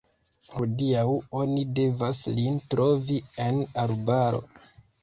Hodiaŭ oni devas lin trovi en arbaro.